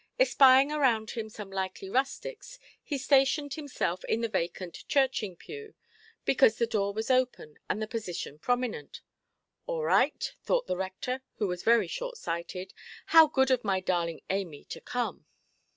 Espying around him some likely rustics, he stationed himself in the vacant "churching pew", because the door was open, and the position prominent. "All right", thought the rector, who was very short–sighted, "how good of my darling Amy to come!